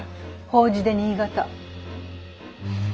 法事で新潟。